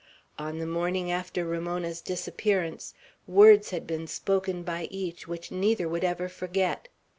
On the morning after Ramona's disappearance, words had been spoken by each which neither would ever forget.